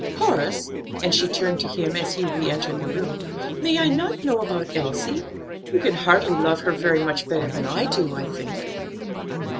Horace," and she turned to him, as he re entered the room, "may I not know about Elsie? You can hardly love her very much better than I do, I think."